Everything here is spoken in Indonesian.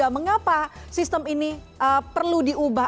mengapa sistem ini perlu diubah